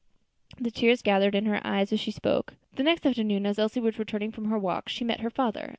The tears gathered in her eyes as she spoke. The next afternoon, as Elsie was returning from her walk, she met her father.